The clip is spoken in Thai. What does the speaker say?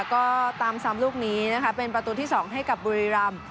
ก็ตามซ้ำลูกนี้นะคะเป็นประตูที่๒ให้กับบุรีรำ